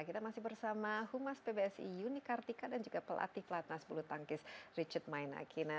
kita masih bersama humas pbsi unikartika dan juga pelatih pelatih nas bulu tangkis richard mainaki